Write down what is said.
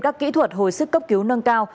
các kỹ thuật hồi sức cấp cứu nâng cao